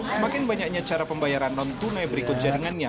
semakin banyaknya cara pembayaran non tunai berikut jaringannya